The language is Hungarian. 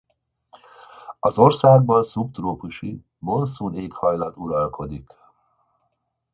Az országban szubtrópusi monszunéghajlat uralkodik.